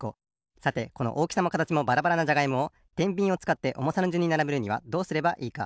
さてこのおおきさもかたちもばらばらなじゃがいもをてんびんをつかっておもさのじゅんにならべるにはどうすればいいか？